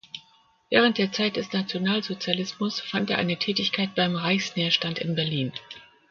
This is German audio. Während der Zeit des Nationalsozialismus fand er eine Tätigkeit beim Reichsnährstand in Berlin.